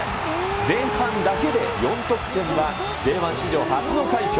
前半だけで４得点は、Ｊ１史上初の快挙。